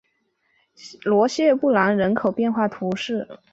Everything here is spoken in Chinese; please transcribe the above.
罗谢布兰人口变化图示